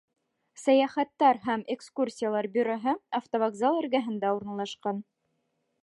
Сәйәхәттәр һәм экскурсиялар бюроһы автовокзал эргәһендә урынлашҡан.